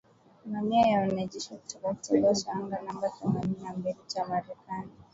mamia ya wanajeshi kutoka kitengo cha anga namba themanini na mbili cha Marekani,